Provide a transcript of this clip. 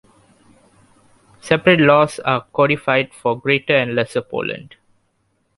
Separate laws are codified for greater and lesser Poland.